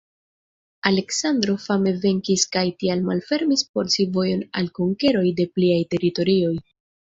Aleksandro fame venkis kaj tial malfermis por si vojon al konkeroj de pliaj teritorioj.